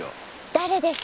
誰です？